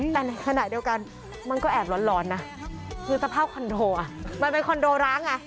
แต่ในขณะเดียวกันมันก็แอบร้อนนะคือสภาพคอนโดอ่ะมันเป็นคอนโดร้างไง